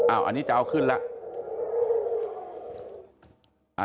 อันนี้จะเอาขึ้นแล้ว